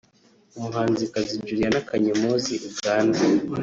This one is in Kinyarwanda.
umuhanzikazi Juliana Kanyomozi(Uganda)